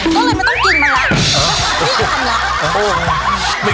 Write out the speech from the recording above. ก็เลยไม่ต้องกินมันละ